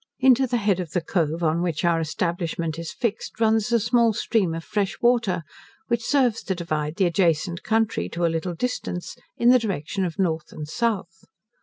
Into the head of the cove, on which our establishment is fixed, runs a small stream of fresh water, which serves to divide the adjacent country to a little distance, in the direction of north and south.